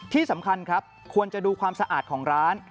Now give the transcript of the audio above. ที่สำคัญครับควรจะดูความสะอาดของร้าน